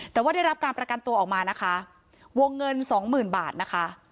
แต่ว่าได้รับการประกันตัวออกมานะคะวงเงินสองหมื่นบาทนะคะ